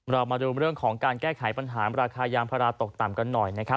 เรามาดูเรื่องของการแก้ไขปัญหาราคายางพาราตกต่ำกันหน่อยนะครับ